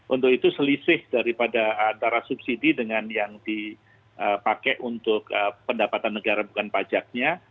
untuk itu selisih daripada antara subsidi dengan yang dipakai untuk pendapatan negara bukan pajaknya